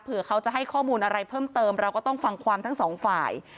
เขาจะให้ข้อมูลอะไรเพิ่มเติมเราก็ต้องฟังความทั้งสองฝ่าย